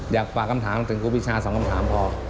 อยากฝากคำถามถึงครูปีชา๒คำถามพอ